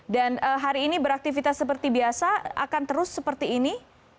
hari ini beraktivitas seperti biasa akan terus seperti ini